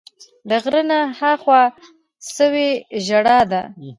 د غره نه ها خوا سوې ژړا ده